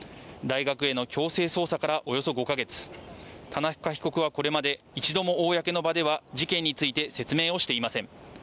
大学への強制捜査からおよそ５か月、田中被告はこれまで一度も公の場では事件について説明をしていません。